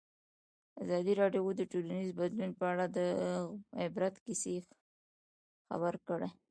ازادي راډیو د ټولنیز بدلون په اړه د عبرت کیسې خبر کړي.